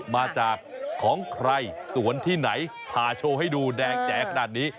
มาจากของใครสวนที่ไหนพาโชว์ให้ดูแดงแจ๋ขนาดนี้